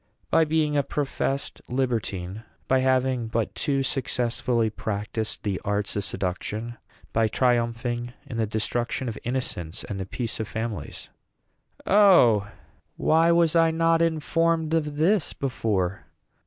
"By being a professed libertine; by having but too successfully, practised the arts of seduction; by triumphing in the destruction of innocence and the peace of families." "O, why was I not informed of this before?